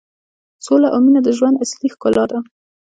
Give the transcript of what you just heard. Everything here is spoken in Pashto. سوله او مینه د ژوند اصلي ښکلا ده.